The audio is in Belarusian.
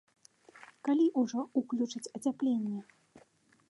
Калі ўжо ўключаць ацяпленне?